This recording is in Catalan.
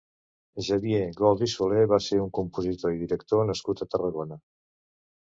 Xavier Gols i Soler va ser un compositor i director nascut a Tarragona.